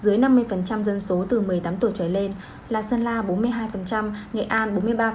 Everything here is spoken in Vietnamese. dưới năm mươi dân số từ một mươi tám tuổi trở lên là sơn la bốn mươi hai nghệ an bốn mươi ba